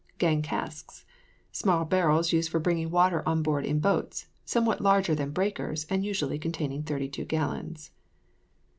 GANG CASKS. Small barrels used for bringing water on board in boats; somewhat larger than breakers, and usually containing 32 gallons.